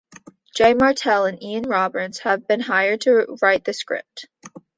Jay Martel and Ian Roberts have been hired to write the script.